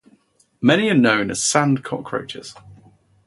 Many are known as sand cockroaches.